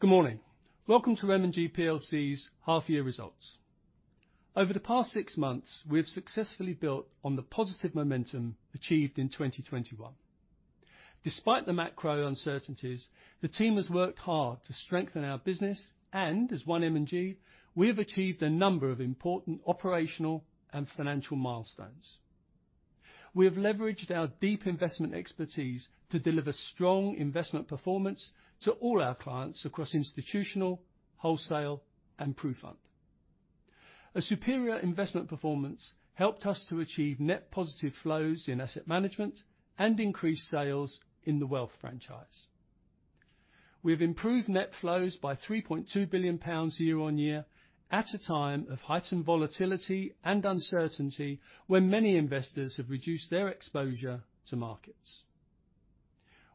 Good morning. Welcome to M&G plc's half-year results. Over the past six months, we have successfully built on the positive momentum achieved in 2021. Despite the macro uncertainties, the team has worked hard to strengthen our business, and as One M&G, we have achieved a number of important operational and financial milestones. We have leveraged our deep investment expertise to deliver strong investment performance to all our clients across institutional, wholesale, and PruFund. A superior investment performance helped us to achieve net positive flows in asset management and increased sales in the wealth franchise. We have improved net flows by 3.2 billion pounds year-on-year at a time of heightened volatility and uncertainty when many investors have reduced their exposure to markets.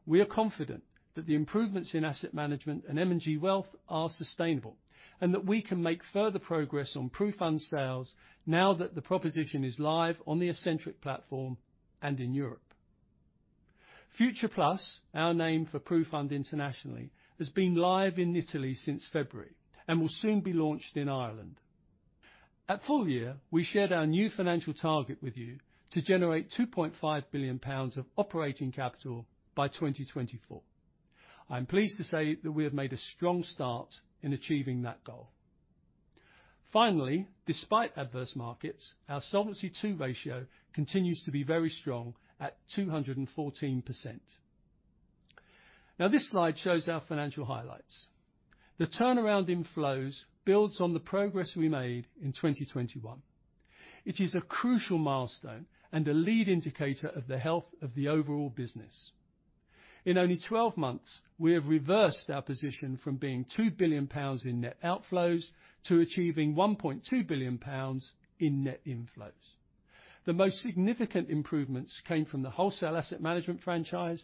We are confident that the improvements in asset management and M&G Wealth are sustainable, and that we can make further progress on PruFund sales now that the proposition is live on the Ascentric platform and in Europe. Future+, our name for PruFund internationally, has been live in Italy since February and will soon be launched in Ireland. At full year, we shared our new financial target with you to generate 2.5 billion pounds of operating capital by 2024. I am pleased to say that we have made a strong start in achieving that goal. Finally, despite adverse markets, our Solvency II ratio continues to be very strong at 214%. Now this slide shows our financial highlights. The turnaround in flows builds on the progress we made in 2021. It is a crucial milestone and a lead indicator of the health of the overall business. In only 12 months, we have reversed our position from being 2 billion pounds in net outflows to achieving 1.2 billion pounds in net inflows. The most significant improvements came from the wholesale asset management franchise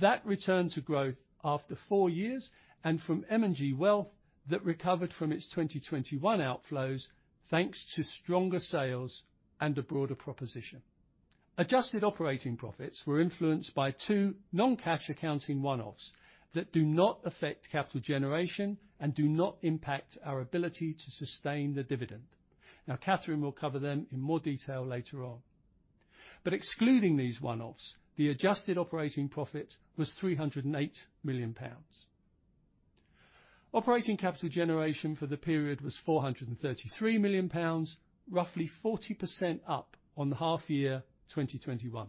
that returned to growth after four years and from M&G Wealth that recovered from its 2021 outflows, thanks to stronger sales and a broader proposition. Adjusted operating profits were influenced by two non-cash accounting one-offs that do not affect capital generation and do not impact our ability to sustain the dividend. Now, Kathryn will cover them in more detail later on. Excluding these one-offs, the adjusted operating profit was 308 million pounds. Operating capital generation for the period was 433 million pounds, roughly 40% up on the half year 2021.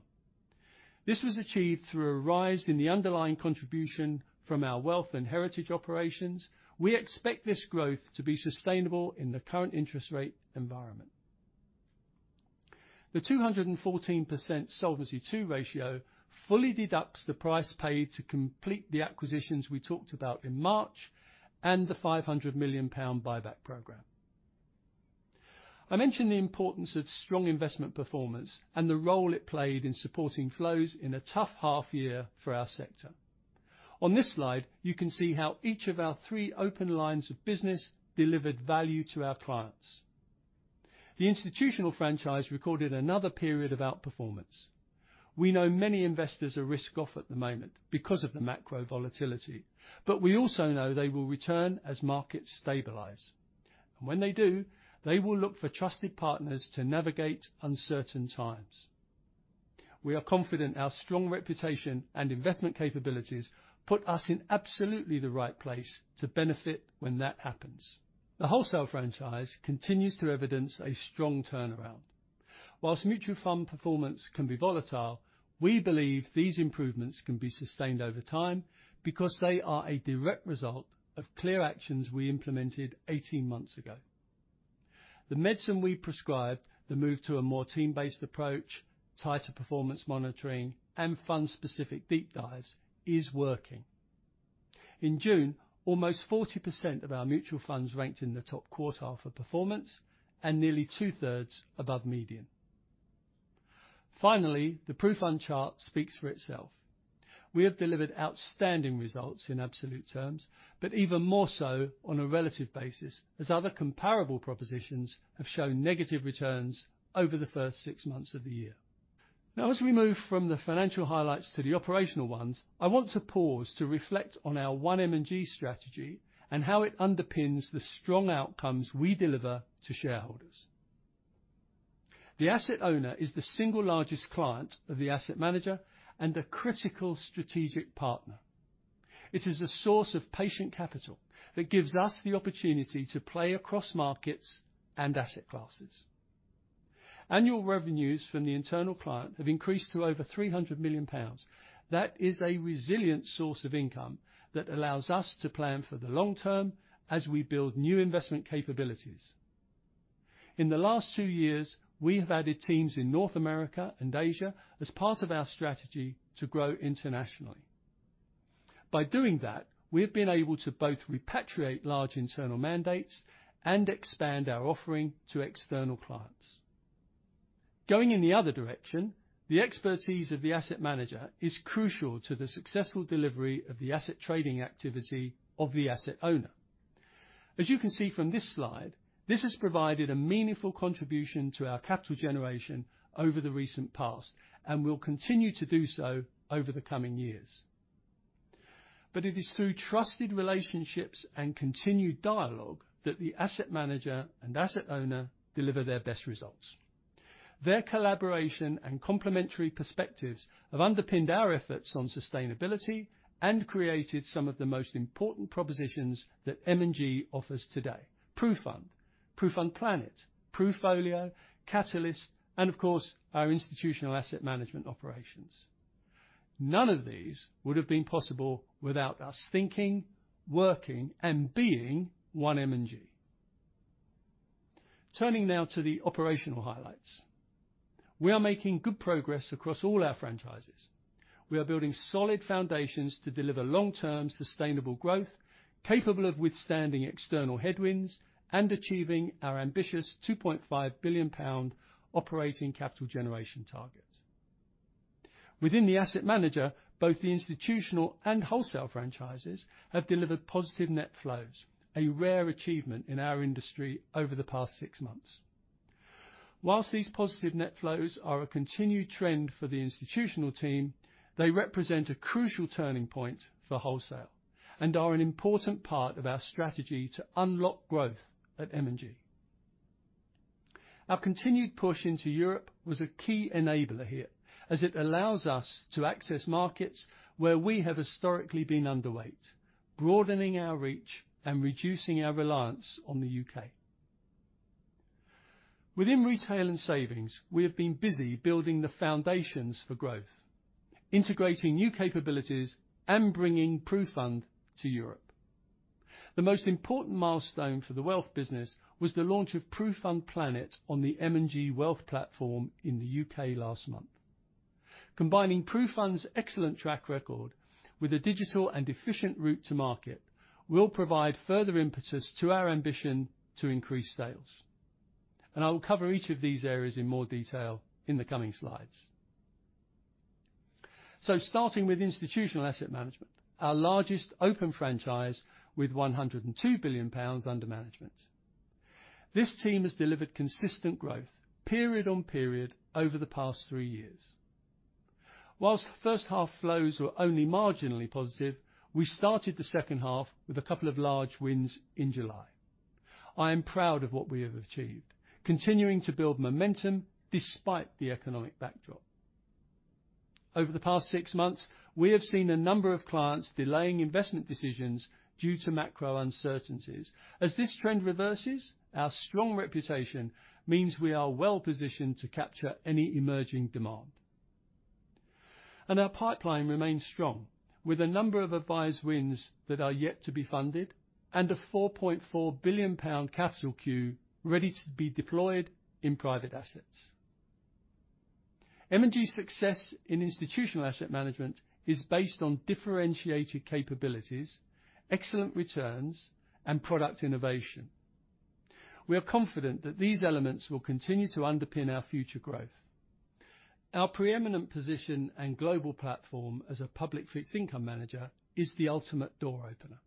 This was achieved through a rise in the underlying contribution from our wealth and heritage operations. We expect this growth to be sustainable in the current interest rate environment. The 214% Solvency II ratio fully deducts the price paid to complete the acquisitions we talked about in March and the 500 million pound buyback program. I mentioned the importance of strong investment performance and the role it played in supporting flows in a tough H1 for our sector. On this slide, you can see how each of our three open lines of business delivered value to our clients. The institutional franchise recorded another period of outperformance. We know many investors are risk-off at the moment because of the macro volatility, but we also know they will return as markets stabilize. When they do, they will look for trusted partners to navigate uncertain times. We are confident our strong reputation and investment capabilities put us in absolutely the right place to benefit when that happens. The wholesale franchise continues to evidence a strong turnaround. While mutual fund performance can be volatile, we believe these improvements can be sustained over time because they are a direct result of clear actions we implemented 18 months ago. The medicine we prescribed, the move to a more team-based approach, tighter performance monitoring, and fund-specific deep dives is working. In June, almost 40% of our mutual funds ranked in the top quartile for performance and nearly 2/3 above median. Finally, the PruFund chart speaks for itself. We have delivered outstanding results in absolute terms, but even more so on a relative basis, as other comparable propositions have shown negative returns over the first six months of the year. Now as we move from the financial highlights to the operational ones, I want to pause to reflect on our One M&G strategy and how it underpins the strong outcomes we deliver to shareholders. The asset owner is the single largest client of the asset manager and a critical strategic partner. It is a source of patient capital that gives us the opportunity to play across markets and asset classes. Annual revenues from the internal client have increased to over 300 million pounds. That is a resilient source of income that allows us to plan for the long term as we build new investment capabilities. In the last two years, we have added teams in North America and Asia as part of our strategy to grow internationally. By doing that, we have been able to both repatriate large internal mandates and expand our offering to external clients. Going in the other direction, the expertise of the asset manager is crucial to the successful delivery of the asset trading activity of the asset owner. As you can see from this slide, this has provided a meaningful contribution to our capital generation over the recent past and will continue to do so over the coming years. It is through trusted relationships and continued dialogue that the asset manager and asset owner deliver their best results. Their collaboration and complementary perspectives have underpinned our efforts on sustainability and created some of the most important propositions that M&G offers today. PruFund Planet, PruFolio, Catalyst, and of course, our institutional asset management operations. None of these would have been possible without us thinking, working, and being One M&G. Turning now to the operational highlights. We are making good progress across all our franchises. We are building solid foundations to deliver long-term sustainable growth, capable of withstanding external headwinds and achieving our ambitious 2.5 billion pound operating capital generation target. Within the asset manager, both the institutional and wholesale franchises have delivered positive net flows, a rare achievement in our industry over the past six months. While these positive net flows are a continued trend for the institutional team, they represent a crucial turning point for wholesale and are an important part of our strategy to unlock growth at M&G. Our continued push into Europe was a key enabler here, as it allows us to access markets where we have historically been underweight, broadening our reach and reducing our reliance on the U.K. Within retail and savings, we have been busy building the foundations for growth, integrating new capabilities and bringing PruFund to Europe. The most important milestone for the wealth business was the launch of PruFund Planet on the M&G Wealth platform in the U.K. Last month. Combining PruFund's excellent track record with a digital and efficient route to market will provide further impetus to our ambition to increase sales, and I will cover each of these areas in more detail in the coming slides. Starting with institutional asset management, our largest open franchise with 102 billion pounds under management. This team has delivered consistent growth period on period over the past three years. While the first half flows were only marginally positive, we started the second half with a couple of large wins in July. I am proud of what we have achieved, continuing to build momentum despite the economic backdrop. Over the past six months, we have seen a number of clients delaying investment decisions due to macro uncertainties. As this trend reverses, our strong reputation means we are well-positioned to capture any emerging demand. Our pipeline remains strong, with a number of advised wins that are yet to be funded and a 4.4 billion pound capital queue ready to be deployed in private assets. M&G's success in institutional asset management is based on differentiated capabilities, excellent returns, and product innovation. We are confident that these elements will continue to underpin our future growth. Our preeminent position and global platform as a public fixed income manager is the ultimate door opener.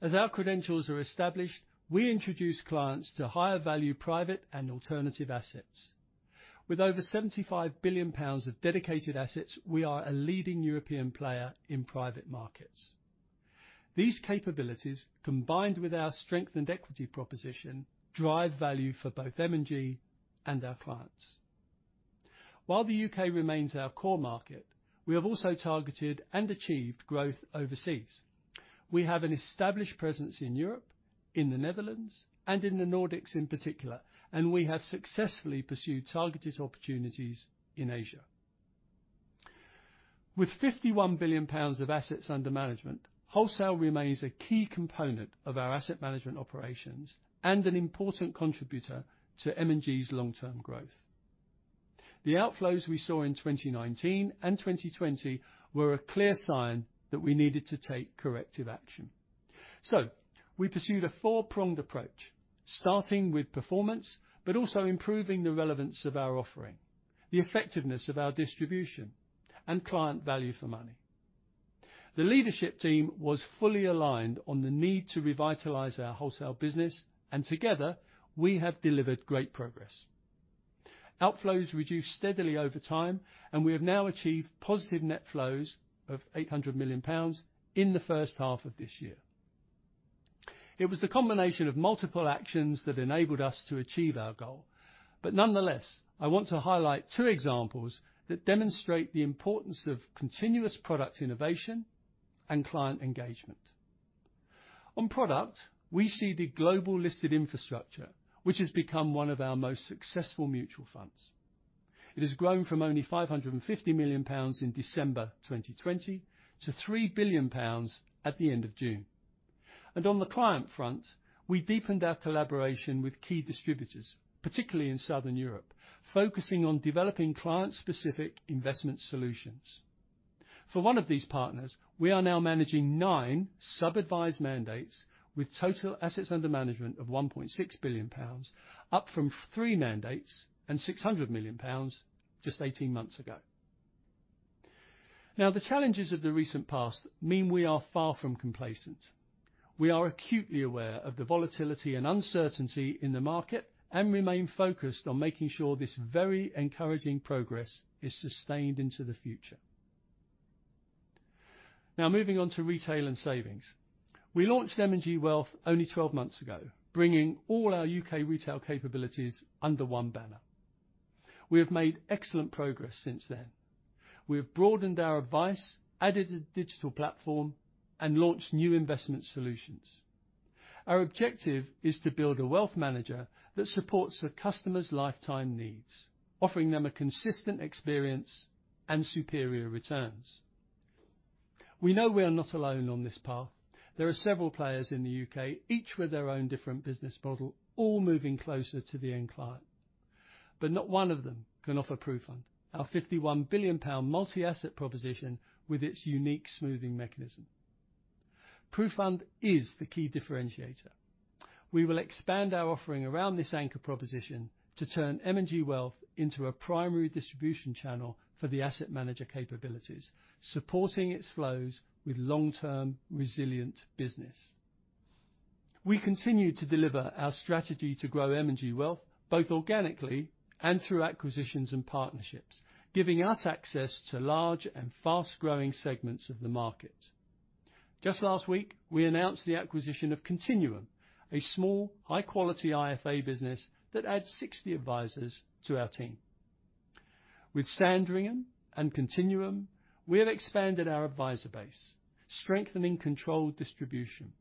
As our credentials are established, we introduce clients to higher value private and alternative assets. With over 75 billion pounds of dedicated assets, we are a leading European player in private markets. These capabilities, combined with our strength and equity proposition, drive value for both M&G and our clients. While the U.K. remains our core market, we have also targeted and achieved growth overseas. We have an established presence in Europe, in the Netherlands, and in the Nordics in particular, and we have successfully pursued targeted opportunities in Asia. With 51 billion pounds of assets under management, wholesale remains a key component of our asset management operations and an important contributor to M&G's long-term growth. The outflows we saw in 2019 and 2020 were a clear sign that we needed to take corrective action. We pursued a four-pronged approach, starting with performance, but also improving the relevance of our offering, the effectiveness of our distribution, and client value for money. The leadership team was fully aligned on the need to revitalize our wholesale business, and together, we have delivered great progress. Outflows reduced steadily over time, and we have now achieved positive net flows of 800 million pounds in the first half of this year. It was the combination of multiple actions that enabled us to achieve our goal. Nonetheless, I want to highlight two examples that demonstrate the importance of continuous product innovation and client engagement. On product, we see the M&G Global Listed Infrastructure Fund, which has become one of our most successful mutual funds. It has grown from only 550 million pounds in December 2020 to 3 billion pounds at the end of June. On the client front, we deepened our collaboration with key distributors, particularly in Southern Europe, focusing on developing client-specific investment solutions. For one of these partners, we are now managing nine sub-advised mandates with total assets under management of 1.6 billion pounds, up from three mandates and 600 million pounds just 18 months ago. Now, the challenges of the recent past mean we are far from complacent. We are acutely aware of the volatility and uncertainty in the market, and remain focused on making sure this very encouraging progress is sustained into the future. Now moving on to retail and savings. We launched M&G Wealth only 12 months ago, bringing all our U.K. retail capabilities under one banner. We have made excellent progress since then. We have broadened our advice, added a digital platform, and launched new investment solutions. Our objective is to build a wealth manager that supports the customer's lifetime needs, offering them a consistent experience and superior returns. We know we are not alone on this path. There are several players in the U.K., each with their own different business model, all moving closer to the end client. Not one of them can offer PruFund, our 51 billion pound multi-asset proposition with its unique smoothing mechanism. PruFund is the key differentiator. We will expand our offering around this anchor proposition to turn M&G Wealth into a primary distribution channel for the asset manager capabilities, supporting its flows with long-term resilient business. We continue to deliver our strategy to grow M&G Wealth, both organically and through acquisitions and partnerships, giving us access to large and fast-growing segments of the market. Just last week, we announced the acquisition of Continuum, a small, high-quality IFA business that adds 60 advisors to our team. With Sandringham and Continuum, we have expanded our advisor base, strengthening controlled distribution.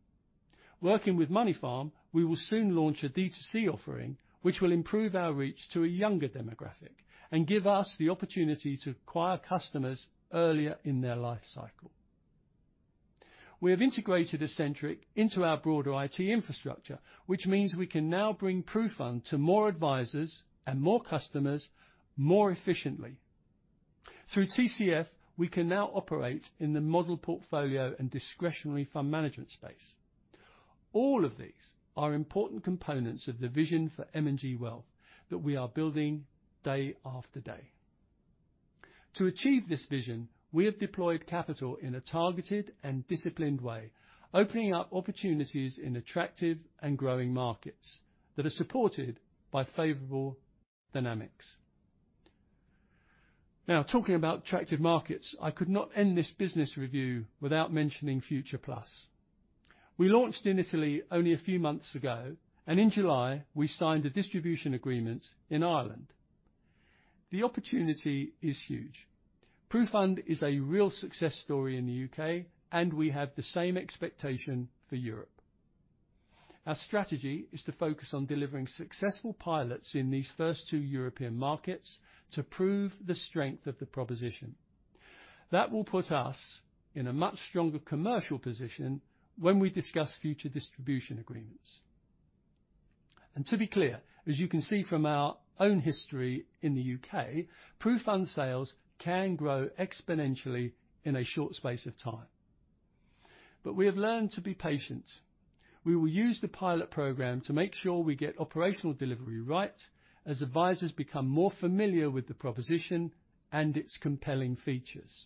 Working with Moneyfarm, we will soon launch a D2C offering, which will improve our reach to a younger demographic and give us the opportunity to acquire customers earlier in their life cycle. We have integrated Ascentric into our broader IT infrastructure, which means we can now bring PruFund to more advisors and more customers more efficiently. Through TCF, we can now operate in the model portfolio and discretionary fund management space. All of these are important components of the vision for M&G Wealth that we are building day after day. To achieve this vision, we have deployed capital in a targeted and disciplined way, opening up opportunities in attractive and growing markets that are supported by favorable dynamics. Now talking about attractive markets, I could not end this business review without mentioning Future+. We launched in Italy only a few months ago, and in July, we signed a distribution agreement in Ireland. The opportunity is huge. PruFund is a real success story in the U.K., and we have the same expectation for Europe. Our strategy is to focus on delivering successful pilots in these first two European markets to prove the strength of the proposition. That will put us in a much stronger commercial position when we discuss future distribution agreements. To be clear, as you can see from our own history in the U.K., PruFund sales can grow exponentially in a short space of time. We have learned to be patient. We will use the pilot program to make sure we get operational delivery right as advisors become more familiar with the proposition and its compelling features.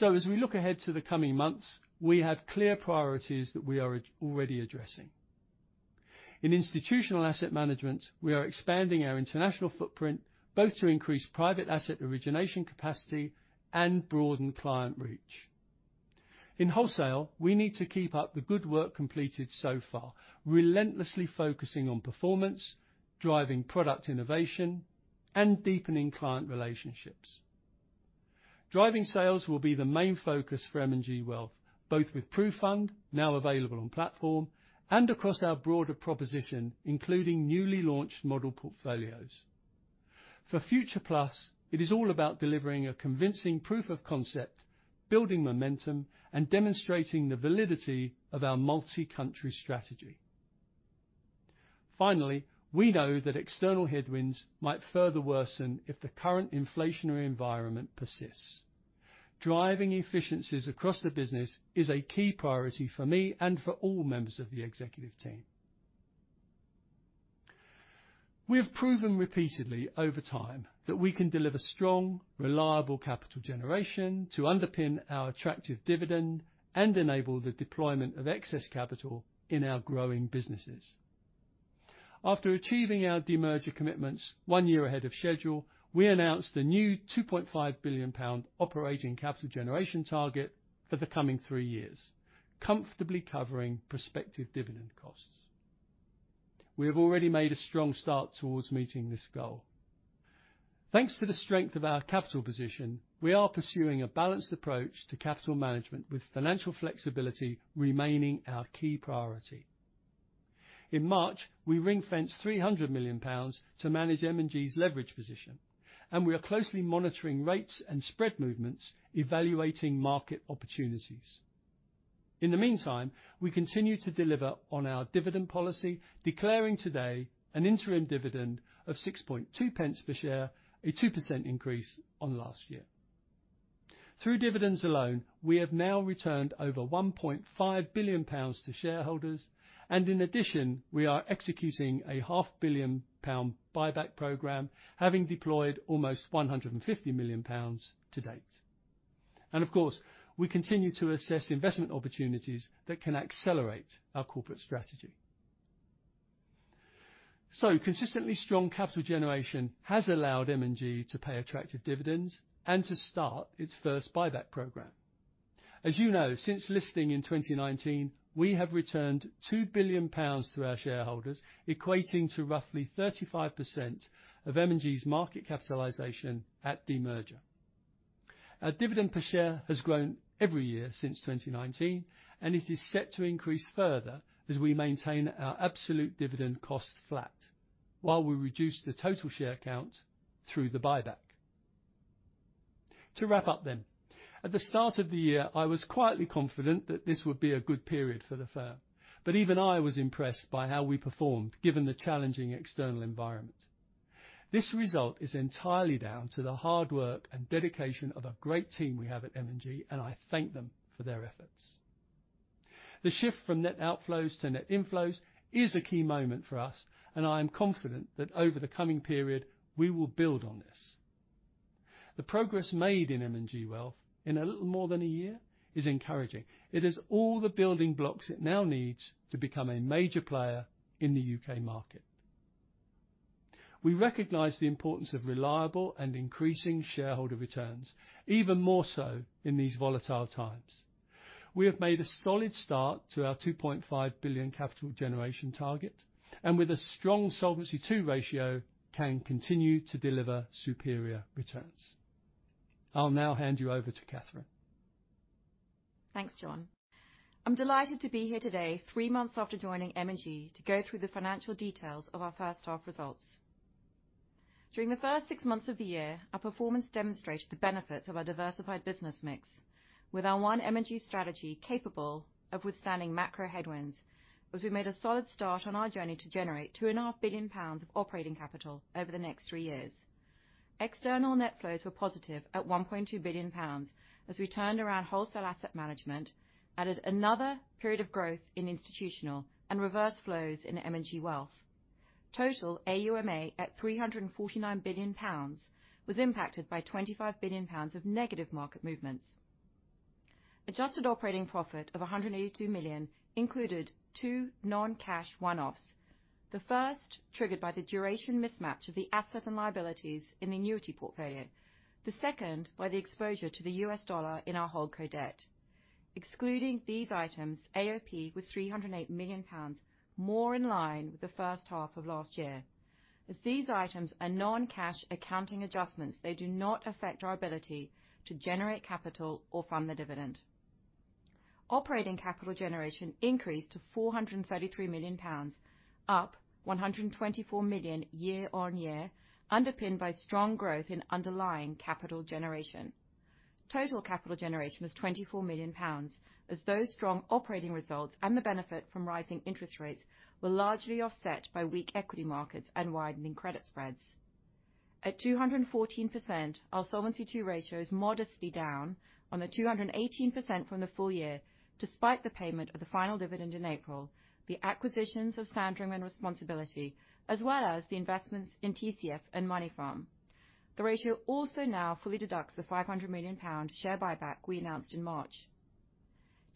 As we look ahead to the coming months, we have clear priorities that we are already addressing. In institutional asset management, we are expanding our international footprint, both to increase private asset origination capacity and broaden client reach. In wholesale, we need to keep up the good work completed so far, relentlessly focusing on performance, driving product innovation, and deepening client relationships. Driving sales will be the main focus for M&G Wealth, both with PruFund, now available on platform, and across our broader proposition, including newly launched model portfolios. For Future+, it is all about delivering a convincing proof of concept, building momentum, and demonstrating the validity of our multi-country strategy. Finally, we know that external headwinds might further worsen if the current inflationary environment persists. Driving efficiencies across the business is a key priority for me and for all members of the executive team. We have proven repeatedly over time that we can deliver strong, reliable capital generation to underpin our attractive dividend and enable the deployment of excess capital in our growing businesses. After achieving our de-merger commitments one year ahead of schedule, we announced a new 2.5 billion pound operating capital generation target for the coming three years, comfortably covering prospective dividend costs. We have already made a strong start towards meeting this goal. Thanks to the strength of our capital position, we are pursuing a balanced approach to capital management, with financial flexibility remaining our key priority. In March, we ring-fenced 300 million pounds to manage M&G's leverage position, and we are closely monitoring rates and spread movements, evaluating market opportunities. In the meantime, we continue to deliver on our dividend policy, declaring today an interim dividend of 6.2 per share, a 2% increase on last year. Through dividends alone, we have now returned over 1.5 billion pounds to shareholders. In addition, we are executing a 500 million pound buyback program, having deployed almost 150 million pounds to date. Of course, we continue to assess investment opportunities that can accelerate our corporate strategy. Consistently strong capital generation has allowed M&G to pay attractive dividends and to start its first buyback program. As you know, since listing in 2019, we have returned 2 billion pounds to our shareholders, equating to roughly 35% of M&G's market capitalization at demerger. Our dividend per share has grown every year since 2019, and it is set to increase further as we maintain our absolute dividend cost flat while we reduce the total share count through the buyback. To wrap up then, at the start of the year, I was quietly confident that this would be a good period for the firm, but even I was impressed by how we performed, given the challenging external environment. This result is entirely down to the hard work and dedication of a great team we have at M&G, and I thank them for their efforts. The shift from net outflows to net inflows is a key moment for us, and I am confident that over the coming period we will build on this. The progress made in M&G Wealth in a little more than a year is encouraging. It has all the building blocks it now needs to become a major player in the U.K. market. We recognize the importance of reliable and increasing shareholder returns even more so in these volatile times. We have made a solid start to our 2.5 billion capital generation target and with a strong Solvency II ratio can continue to deliver superior returns. I'll now hand you over to Kathryn. Thanks, John. I'm delighted to be here today, three months after joining M&G, to go through the financial details of our first half results. During the first six months of the year, our performance demonstrated the benefits of our diversified business mix with our One M&G strategy capable of withstanding macro headwinds as we made a solid start on our journey to generate 2.5 billion pounds of operating capital over the next three years. External net flows were positive at 1.2 billion pounds as we turned around wholesale asset management, added another period of growth in institutional and reverse flows into M&G Wealth. Total AUMA at 349 billion pounds was impacted by 25 billion pounds of negative market movements. Adjusted operating profit of 182 million included two non-cash one-offs. The first triggered by the duration mismatch of the assets and liabilities in the annuity portfolio. The second by the exposure to the U.S. dollar in our holdco debt. Excluding these items, AOP was 308 million pounds, more in line with the first half of last year. As these items are non-cash accounting adjustments, they do not affect our ability to generate capital or fund the dividend. Operating capital generation increased to 433 million pounds, up 124 million year-over-year, underpinned by strong growth in underlying capital generation. Total capital generation was 24 million pounds as those strong operating results and the benefit from rising interest rates were largely offset by weak equity markets and widening credit spreads. At 214%, our Solvency II ratio is modestly down on the 218% from the full year, despite the payment of the final dividend in April, the acquisitions of Sandringham and responsAbility, as well as the investments in TCF and Moneyfarm. The ratio also now fully deducts the 500 million pound share buyback we announced in March.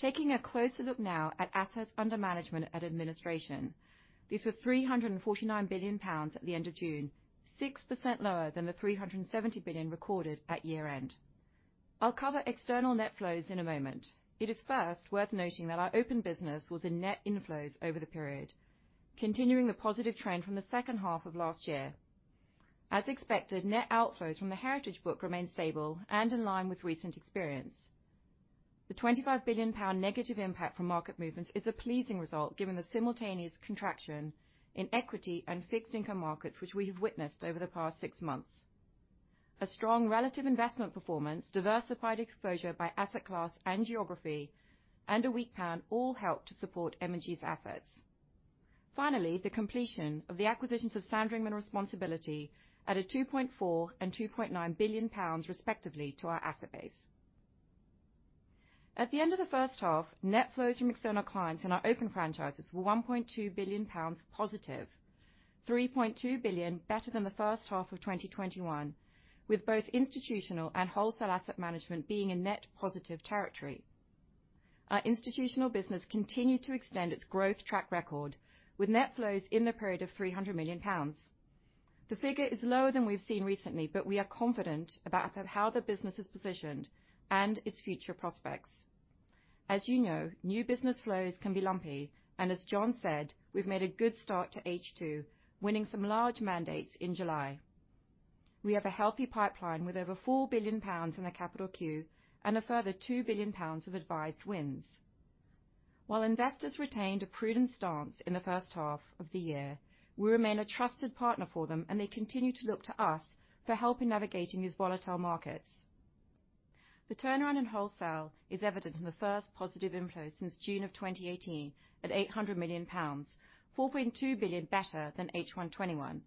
Taking a closer look now at assets under management at administration. These were 349 billion pounds at the end of June, 6% lower than the 370 billion recorded at year-end. I'll cover external net flows in a moment. It is first worth noting that our open business was in net inflows over the period, continuing the positive trend from the second half of last year. As expected, net outflows from the heritage book remained stable and in line with recent experience. The 25 billion pound negative impact from market movements is a pleasing result given the simultaneous contraction in equity and fixed income markets, which we have witnessed over the past six months. A strong relative investment performance, diversified exposure by asset class and geography, and a weak pound all helped to support M&G's assets. Finally, the completion of the acquisitions of Sandringham and responsAbility added 2.4 billion and 2.9 billion pounds, respectively, to our asset base. At the end of the first half, net flows from external clients in our open franchises were 1.2 billion pounds positive, 3.2 billion better than the first half of 2021, with both institutional and wholesale asset management being in net positive territory. Our institutional business continued to extend its growth track record with net flows in the period of 300 million pounds. The figure is lower than we've seen recently, but we are confident about how the business is positioned and its future prospects. As you know, new business flows can be lumpy and as John said, we've made a good start to H2, winning some large mandates in July. We have a healthy pipeline with over 4 billion pounds in the capital queue and a further 2 billion pounds of advised wins. While investors retained a prudent stance in the first half of the year, we remain a trusted partner for them, and they continue to look to us for help in navigating these volatile markets. The turnaround in wholesale is evident in the first positive inflows since June 2018 at GBP 800 million, GBP 4.2 billion better than H1 2021.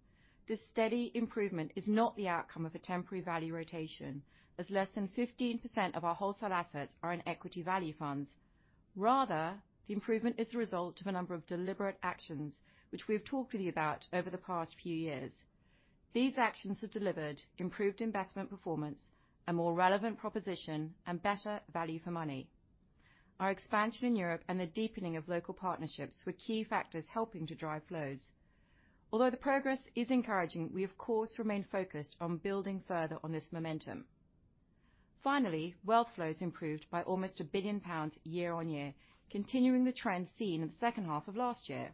This steady improvement is not the outcome of a temporary value rotation, as less than 15% of our wholesale assets are in equity value funds. Rather, the improvement is the result of a number of deliberate actions which we have talked with you about over the past few years. These actions have delivered improved investment performance, a more relevant proposition, and better value for money. Our expansion in Europe and the deepening of local partnerships were key factors helping to drive flows. Although the progress is encouraging, we of course remain focused on building further on this momentum. Finally, wealth flows improved by almost 1 billion pounds year-over-year, continuing the trend seen in the second half of last year.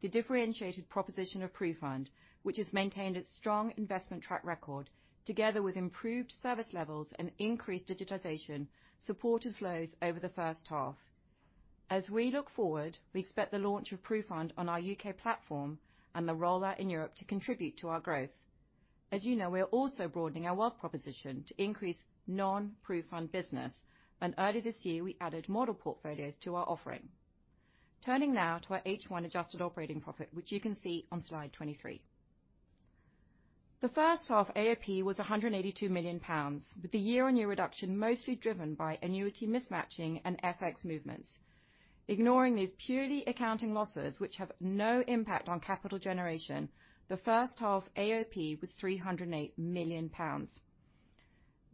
The differentiated proposition of PruFund, which has maintained its strong investment track record, together with improved service levels and increased digitization, supported flows over the first half. As we look forward, we expect the launch of PruFund on our U.K. platform and the rollout in Europe to contribute to our growth. As you know, we are also broadening our wealth proposition to increase non-PruFund business. Earlier this year, we added model portfolios to our offering. Turning now to our H1 adjusted operating profit, which you can see on slide 23. The first half AOP was 182 million pounds, with the year-on-year reduction mostly driven by annuity mismatching and FX movements. Ignoring these purely accounting losses, which have no impact on capital generation, the first half AOP was 308 million pounds.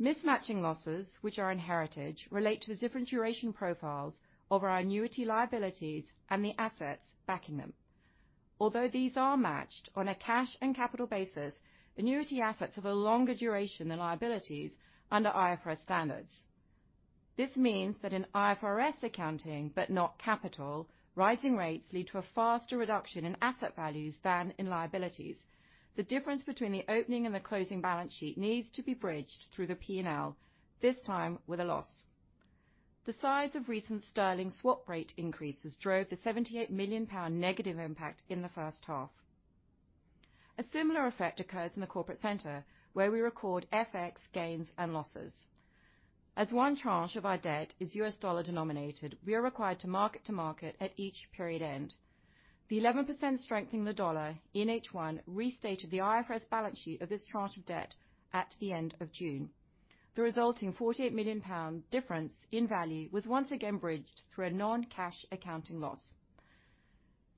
Mismatching losses, which are in heritage, relate to the different duration profiles of our annuity liabilities and the assets backing them. Although these are matched on a cash and capital basis, annuity assets have a longer duration than liabilities under IFRS standards. This means that in IFRS accounting, but not capital, rising rates lead to a faster reduction in asset values than in liabilities. The difference between the opening and the closing balance sheet needs to be bridged through the P&L, this time with a loss. The size of recent sterling swap rate increases drove the 78 million pound negative impact in the first half. A similar effect occurs in the corporate center, where we record FX gains and losses. As one tranche of our debt is U.S. dollar denominated, we are required to mark to market at each period end. The 11% strengthening of the dollar in H1 restated the IFRS balance sheet of this tranche of debt at the end of June. The resulting 48 million pound difference in value was once again bridged through a non-cash accounting loss.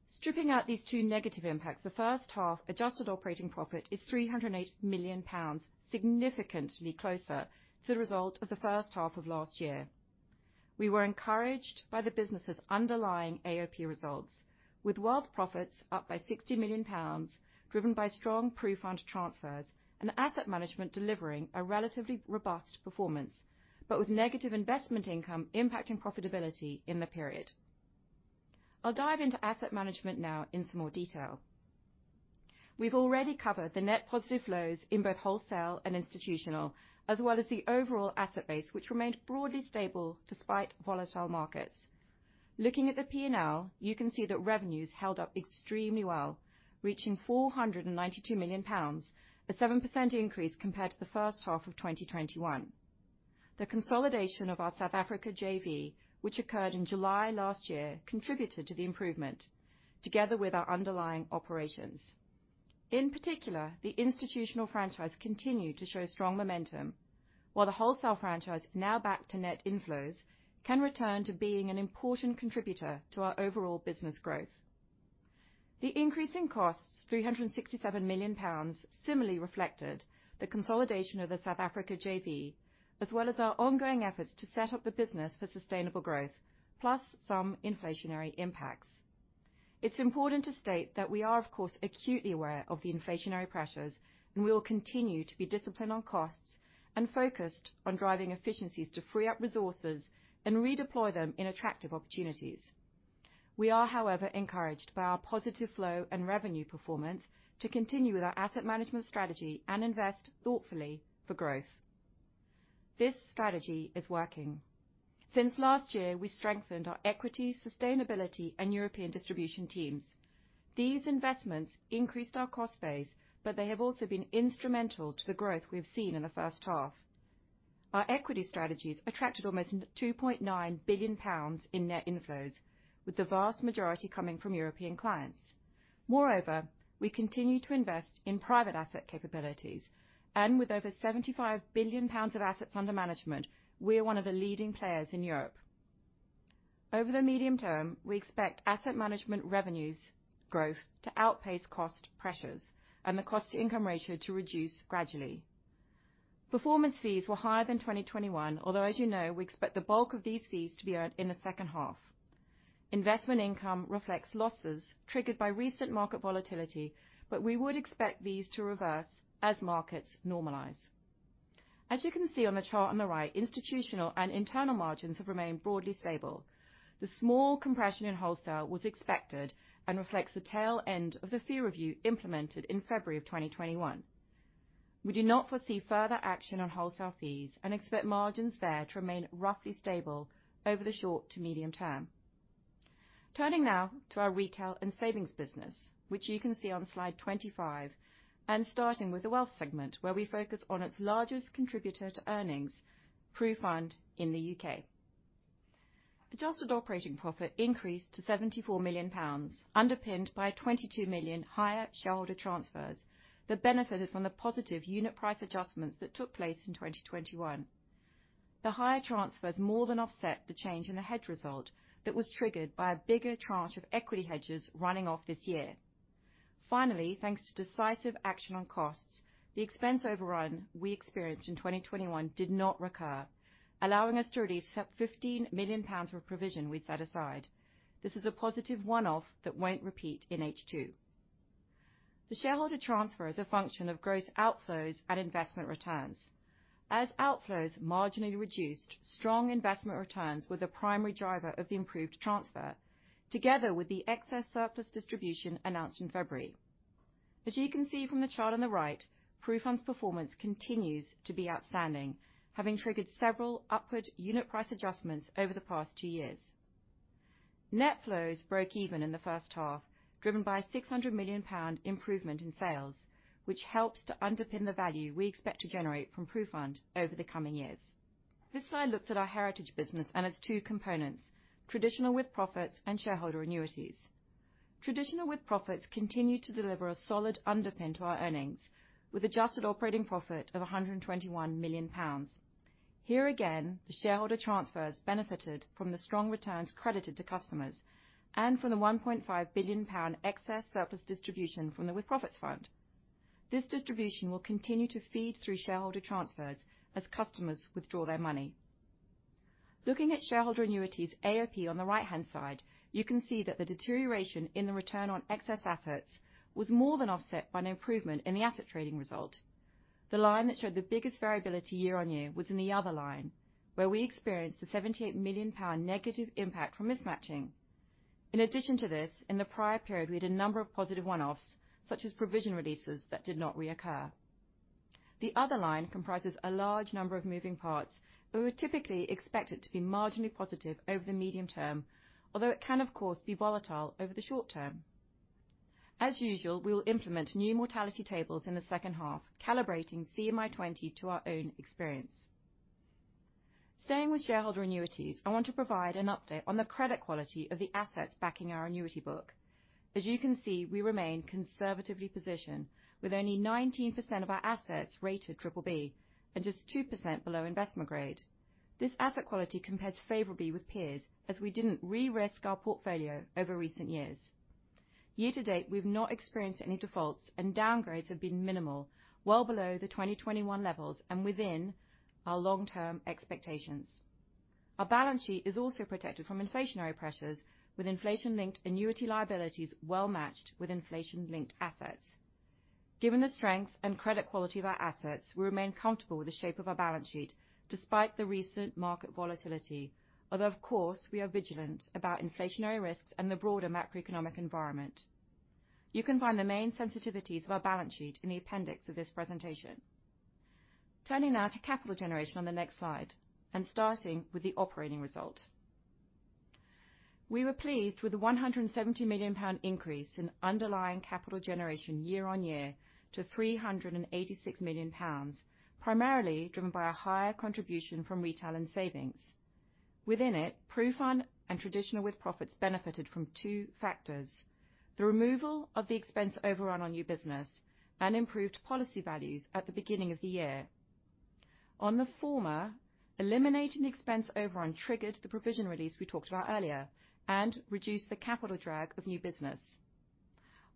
Stripping out these two negative impacts, the first half adjusted operating profit is 308 million pounds, significantly closer to the result of the first half of last year. We were encouraged by the business' underlying AOP results, with whole profits up by 60 million pounds, driven by strong PruFund transfers and asset management delivering a relatively robust performance, but with negative investment income impacting profitability in the period. I'll dive into asset management now in some more detail. We've already covered the net positive flows in both wholesale and institutional, as well as the overall asset base, which remained broadly stable despite volatile markets. Looking at the P&L, you can see that revenues held up extremely well, reaching 492 million pounds, a 7% increase compared to the first half of 2021. The consolidation of our South Africa JV, which occurred in July last year, contributed to the improvement, together with our underlying operations. In particular, the institutional franchise continued to show strong momentum, while the wholesale franchise, now back to net inflows, can return to being an important contributor to our overall business growth. The increase in costs, 367 million pounds, similarly reflected the consolidation of the South Africa JV, as well as our ongoing efforts to set up the business for sustainable growth, plus some inflationary impacts. It's important to state that we are, of course, acutely aware of the inflationary pressures, and we will continue to be disciplined on costs and focused on driving efficiencies to free up resources and redeploy them in attractive opportunities. We are, however, encouraged by our positive flow and revenue performance to continue with our asset management strategy and invest thoughtfully for growth. This strategy is working. Since last year, we strengthened our equity, sustainability, and European distribution teams. These investments increased our cost base, but they have also been instrumental to the growth we have seen in the first half. Our equity strategies attracted almost 2.9 billion pounds in net inflows, with the vast majority coming from European clients. Moreover, we continue to invest in private asset capabilities, and with over 75 billion pounds of assets under management, we are one of the leading players in Europe. Over the medium term, we expect asset management revenues growth to outpace cost pressures and the cost-to-income ratio to reduce gradually. Performance fees were higher than 2021, although as you know, we expect the bulk of these fees to be earned in the second half. Investment income reflects losses triggered by recent market volatility, but we would expect these to reverse as markets normalize. As you can see on the chart on the right, institutional and internal margins have remained broadly stable. The small compression in wholesale was expected and reflects the tail end of the fee review implemented in February 2021. We do not foresee further action on wholesale fees and expect margins there to remain roughly stable over the short to medium term. Turning now to our retail and savings business, which you can see on slide 25, and starting with the wealth segment where we focus on its largest contributor to earnings, PruFund in the U.K. Adjusted operating profit increased to GBP 74 million, underpinned by a GBP 22 million higher shareholder transfers that benefited from the positive unit price adjustments that took place in 2021. The higher transfers more than offset the change in the hedge result that was triggered by a bigger tranche of equity hedges running off this year. Finally, thanks to decisive action on costs, the expense overrun we experienced in 2021 did not recur, allowing us to release 15 million pounds for provision we'd set aside. This is a positive one-off that won't repeat in H2. The shareholder transfer is a function of gross outflows and investment returns. As outflows marginally reduced, strong investment returns were the primary driver of the improved transfer, together with the excess surplus distribution announced in February. As you can see from the chart on the right, PruFund's performance continues to be outstanding, having triggered several upward unit price adjustments over the past two years. Net flows broke even in the first half, driven by a 600 million pound improvement in sales, which helps to underpin the value we expect to generate from PruFund over the coming years. This slide looks at our heritage business and its two components, traditional with profits and shareholder annuities. Traditional with profits continue to deliver a solid underpin to our earnings with adjusted operating profit of 121 million pounds. Here again, the shareholder transfers benefited from the strong returns credited to customers and from the 1.5 billion pound excess surplus distribution from the with profits fund. This distribution will continue to feed through shareholder transfers as customers withdraw their money. Looking at shareholder annuities AOP on the right-hand side, you can see that the deterioration in the return on excess assets was more than offset by an improvement in the asset trading result. The line that showed the biggest variability year-on-year was in the other line, where we experienced the 78 million negative impact from mismatching. In addition to this, in the prior period, we had a number of positive one-offs, such as provision releases that did not reoccur. The other line comprises a large number of moving parts, but we're typically expected to be marginally positive over the medium term, although it can of course be volatile over the short term. As usual, we will implement new mortality tables in the second half, calibrating CMI 2020 to our own experience. Staying with shareholder annuities, I want to provide an update on the credit quality of the assets backing our annuity book. As you can see, we remain conservatively positioned with only 19% of our assets rated BBB and just 2% below investment grade. This asset quality compares favorably with peers as we didn't re-risk our portfolio over recent years. Year to date, we've not experienced any defaults and downgrades have been minimal, well below the 2021 levels and within our long-term expectations. Our balance sheet is also protected from inflationary pressures with inflation-linked annuity liabilities well matched with inflation-linked assets. Given the strength and credit quality of our assets, we remain comfortable with the shape of our balance sheet despite the recent market volatility. Although of course, we are vigilant about inflationary risks and the broader macroeconomic environment. You can find the main sensitivities of our balance sheet in the appendix of this presentation. Turning now to capital generation on the next slide, and starting with the operating result. We were pleased with the 170 million pound increase in underlying capital generation year-over-year to 386 million pounds, primarily driven by a higher contribution from retail and savings. Within it, PruFund and traditional with profits benefited from two factors. The removal of the expense overrun on new business and improved policy values at the beginning of the year. On the former, eliminating the expense overrun triggered the provision release we talked about earlier and reduced the capital drag of new business.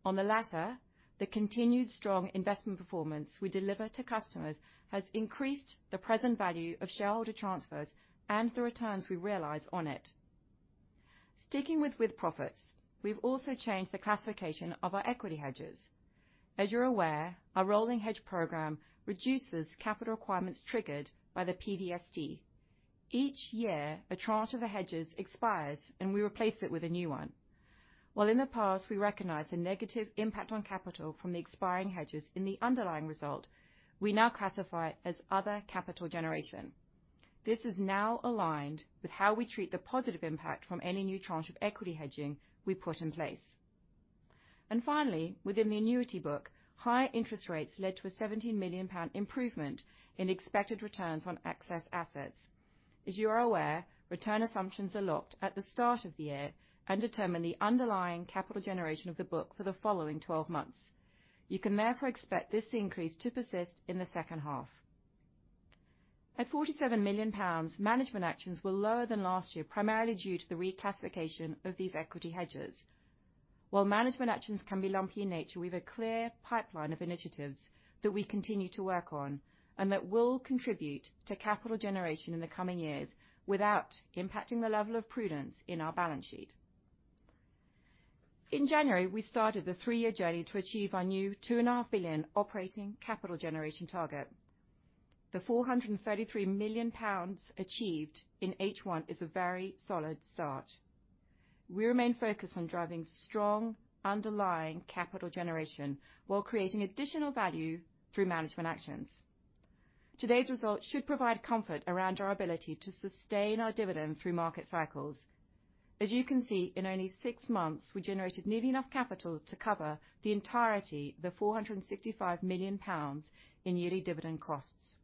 On the latter, the continued strong investment performance we deliver to customers has increased the present value of shareholder transfers and the returns we realize on it. Sticking with profits, we've also changed the classification of our equity hedges. As you're aware, our rolling hedge program reduces capital requirements triggered by the PFDD. Each year, a tranche of the hedges expires, and we replace it with a new one. While in the past, we recognized the negative impact on capital from the expiring hedges in the underlying result, we now classify as other capital generation. This is now aligned with how we treat the positive impact from any new tranche of equity hedging we put in place. Finally, within the annuity book, higher interest rates led to a GBP 17 million improvement in expected returns on excess assets. As you are aware, return assumptions are locked at the start of the year and determine the underlying capital generation of the book for the following 12 months. You can therefore expect this increase to persist in the second half. At 47 million pounds, management actions were lower than last year, primarily due to the reclassification of these equity hedges. While management actions can be lumpy in nature, we have a clear pipeline of initiatives that we continue to work on and that will contribute to capital generation in the coming years without impacting the level of prudence in our balance sheet. In January, we started the three-year journey to achieve our new 2.5 billion operating capital generation target. The 433 million pounds achieved in H1 is a very solid start. We remain focused on driving strong underlying capital generation while creating additional value through management actions. Today's results should provide comfort around our ability to sustain our dividend through market cycles. As you can see, in only six months, we generated nearly enough capital to cover the entirety of the 465 million pounds in yearly dividend costs.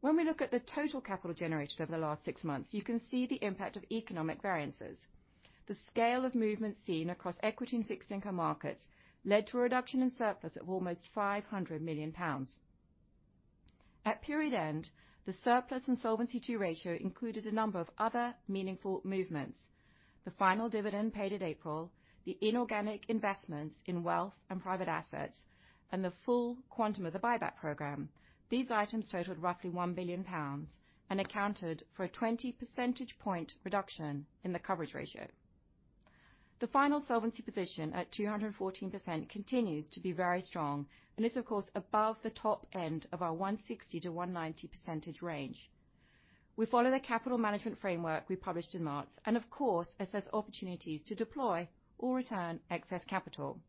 When we look at the total capital generated over the last six months, you can see the impact of economic variances. The scale of movement seen across equity and fixed income markets led to a reduction in surplus of almost 500 million pounds. At period end, the surplus and Solvency II ratio included a number of other meaningful movements. The final dividend paid in April, the inorganic investments in wealth and private assets, and the full quantum of the buyback program. These items totaled roughly 1 billion pounds and accounted for a 20 percentage point reduction in the coverage ratio. The final solvency position at 214% continues to be very strong, and it's of course above the top end of our 160%-190% range. We follow the capital management framework we published in March, and of course, assess opportunities to deploy or return excess capital.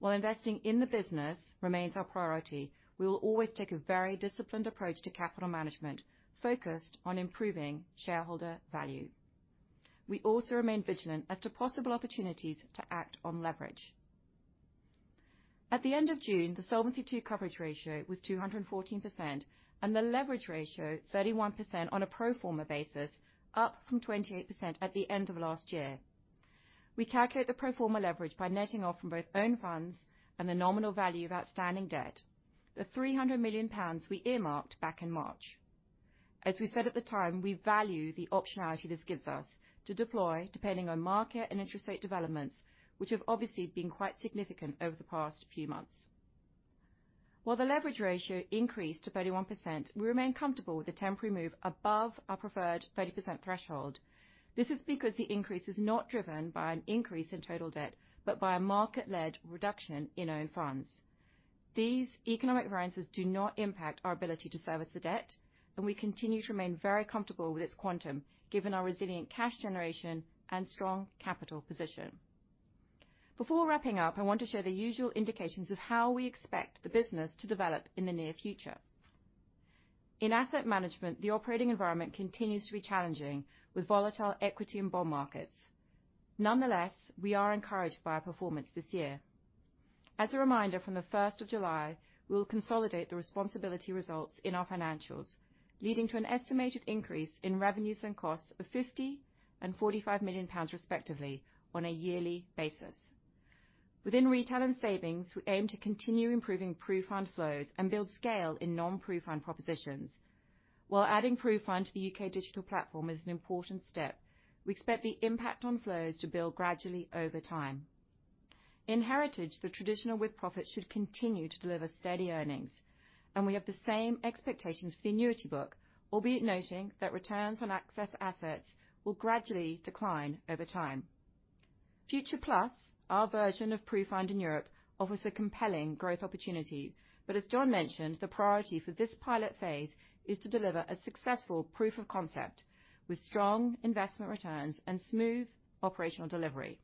While investing in the business remains our priority, we will always take a very disciplined approach to capital management focused on improving shareholder value. We also remain vigilant as to possible opportunities to act on leverage. At the end of June, the Solvency II coverage ratio was 214%, and the leverage ratio 31% on a pro forma basis, up from 28% at the end of last year. We calculate the pro forma leverage by netting off from both own funds and the nominal value of outstanding debt, the 300 million pounds we earmarked back in March. As we said at the time, we value the optionality this gives us to deploy, depending on market and interest rate developments, which have obviously been quite significant over the past few months. While the leverage ratio increased to 31%, we remain comfortable with the temporary move above our preferred 30% threshold. This is because the increase is not driven by an increase in total debt, but by a market-led reduction in own funds. These economic variances do not impact our ability to service the debt, and we continue to remain very comfortable with its quantum, given our resilient cash generation and strong capital position. Before wrapping up, I want to share the usual indications of how we expect the business to develop in the near future. In asset management, the operating environment continues to be challenging with volatile equity and bond markets. Nonetheless, we are encouraged by our performance this year. As a reminder, from the first of July, we will consolidate the responsAbility results in our financials, leading to an estimated increase in revenues and costs of 50 million and 45 million pounds respectively on a yearly basis. Within retail and savings, we aim to continue improving PruFund flows and build scale in non-PruFund propositions. While adding PruFund to the U.K. digital platform is an important step, we expect the impact on flows to build gradually over time. In Heritage, the traditional with profit should continue to deliver steady earnings, and we have the same expectations for the annuity book, albeit noting that returns on excess assets will gradually decline over time. Future+, our version of PruFund in Europe, offers a compelling growth opportunity. As John mentioned, the priority for this pilot phase is to deliver a successful proof of concept with strong investment returns and smooth operational delivery.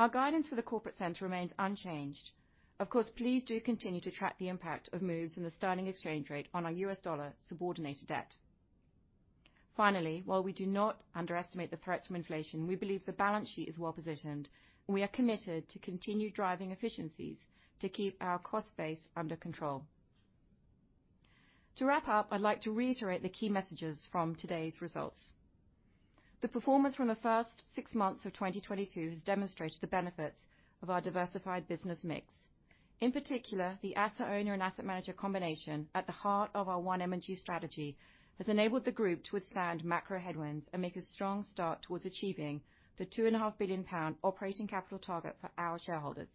Our guidance for the corporate center remains unchanged. Of course, please do continue to track the impact of moves in the sterling exchange rate on our U.S. dollar subordinated debt. Finally, while we do not underestimate the threats from inflation, we believe the balance sheet is well positioned, and we are committed to continue driving efficiencies to keep our cost base under control. To wrap up, I'd like to reiterate the key messages from today's results. The performance from the first six months of 2022 has demonstrated the benefits of our diversified business mix. In particular, the asset owner and asset manager combination at the heart of our One M&G strategy has enabled the group to withstand macro headwinds and make a strong start towards achieving the 2.5 billion pound operating capital target for our shareholders.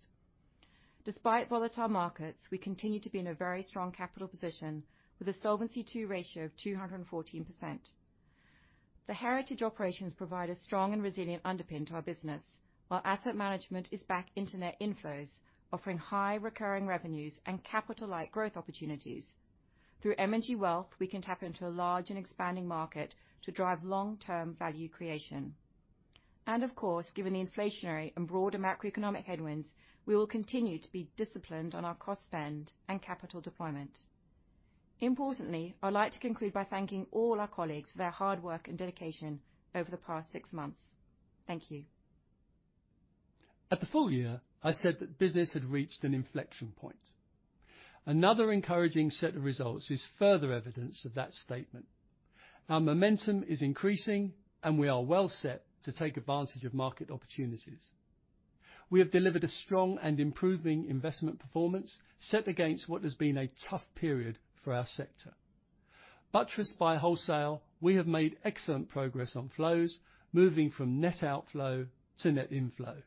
Despite volatile markets, we continue to be in a very strong capital position with a Solvency II ratio of 214%. The Heritage operations provide a strong and resilient underpin to our business. While asset management is back in net inflows, offering high recurring revenues and capital-light growth opportunities. Through M&G Wealth, we can tap into a large and expanding market to drive long-term value creation. Of course, given the inflationary and broader macroeconomic headwinds, we will continue to be disciplined on our cost spend and capital deployment. Importantly, I'd like to conclude by thanking all our colleagues for their hard work and dedication over the past six months. Thank you. At the full year, I said that business had reached an inflection point. Another encouraging set of results is further evidence of that statement. Our momentum is increasing, and we are well set to take advantage of market opportunities. We have delivered a strong and improving investment performance set against what has been a tough period for our sector. Buttressed by wholesale, we have made excellent progress on flows, moving from net outflow to net inflow,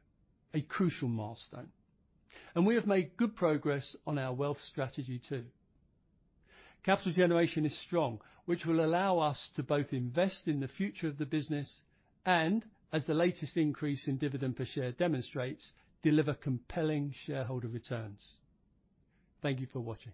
a crucial milestone. We have made good progress on our wealth strategy too. Capital generation is strong, which will allow us to both invest in the future of the business and, as the latest increase in dividend per share demonstrates, deliver compelling shareholder returns. Thank you for watching.